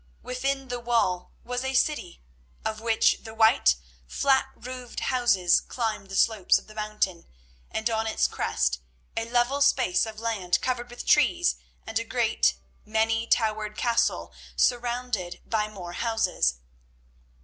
Within the wall was a city of which the white, flat roofed houses climbed the slopes of the mountain, and on its crest a level space of land covered with trees and a great, many towered castle surrounded by more houses.